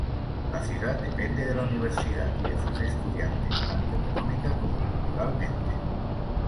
La ciudad depende de la universidad y de sus estudiantes, tanto económica como culturalmente.